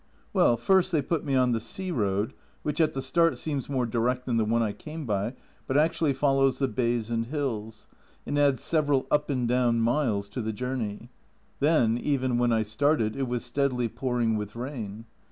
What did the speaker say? Well, first they put me on the sea road, which at the start seems more direct than the one I came by, but actually follows the bays and hills, and adds several up and down miles to the journey. Then, even when I started, it was steadily pouring with rain.